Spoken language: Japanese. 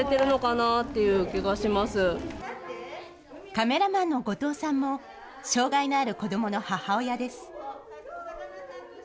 カメラマンの後藤さんも、障害のある子どもの母親です。